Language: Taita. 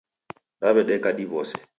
Daw'edeka diw'ose.